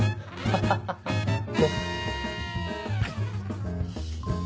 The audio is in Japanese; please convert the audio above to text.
はい。